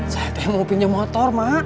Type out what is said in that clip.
saya mau pinjam motor mak